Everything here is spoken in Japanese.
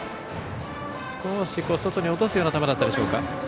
少し外に落とすような球だったでしょうか。